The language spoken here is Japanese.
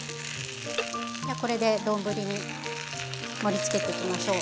じゃあこれで丼に盛りつけていきましょう。